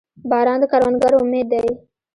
• باران د کروندګرو امید دی.